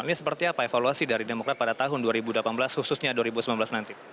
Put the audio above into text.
ini seperti apa evaluasi dari demokrat pada tahun dua ribu delapan belas khususnya dua ribu sembilan belas nanti